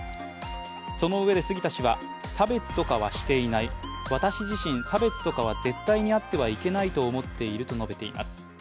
そのうえで杉田氏は差別とかはしていない私自身差別とかは絶対にあってはいけないと思っていると述べています。